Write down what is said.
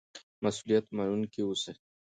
مسؤلیت منونکي اوسئ.